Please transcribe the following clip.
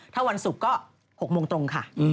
ถ้าวันศุกร์ก็๖โมงตรงค่ะ